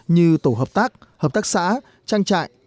như tổ hợp tác hợp tác xã trang trại